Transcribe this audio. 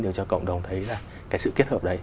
đều cho cộng đồng thấy là cái sự kết hợp đấy